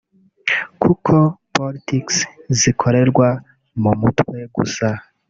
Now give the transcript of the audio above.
kuko Politics zikorerwa mu mutwe gusa